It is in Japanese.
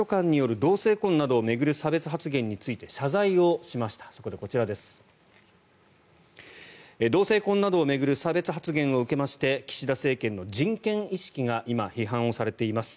同性婚などを巡る差別発言を受けまして岸田政権の人権意識が今、批判されています。